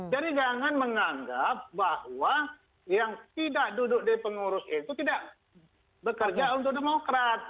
jadi jangan menganggap bahwa yang tidak duduk di pengurus itu tidak bekerja untuk demokrat